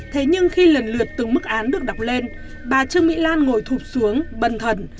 thế nhưng khi lần lượt từng mức án được đọc lên bà trương mỹ lan ngồi thụp xuống bần thần